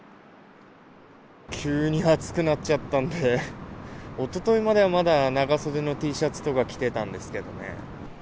急に暑くなっちゃったんで、おとといまでは、まだ長袖のＴシャツとか着てたんですけどね。